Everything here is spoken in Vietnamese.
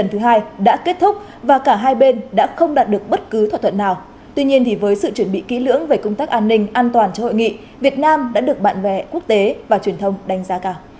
nên thì với sự chuẩn bị kỹ lưỡng về công tác an ninh an toàn cho hội nghị việt nam đã được bạn bè quốc tế và truyền thông đánh giá cao